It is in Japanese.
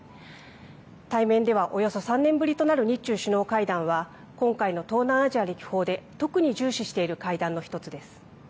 対面ではおよそ３年ぶりとなる日中首脳会談は今回の東南アジア歴訪で特に重視している会談の１つです。